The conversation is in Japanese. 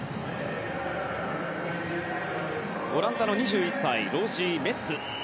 オランダの２１歳ロージー・メッツ。